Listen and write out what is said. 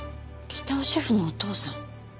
北尾シェフのお父さん。